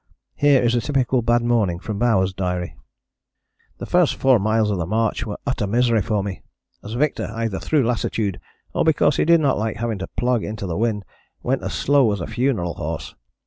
Here is a typical bad morning from Bowers' diary: "The first four miles of the march were utter misery for me, as Victor, either through lassitude or because he did not like having to plug into the wind, went as slow as a funeral horse.